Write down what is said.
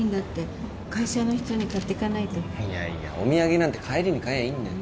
いやいやお土産なんて帰りに買やいいんだよ。